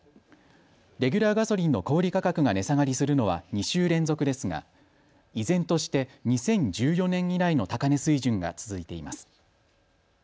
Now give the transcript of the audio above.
レギュラーガソリンの小売価格が値下がりするのは２週連続ですが依然として２０１４年以来の高値水準が続いています。